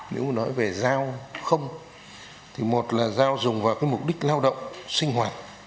nếu mà nói về dao không thì một là dao dùng vào cái mục đích lao động sinh hoạt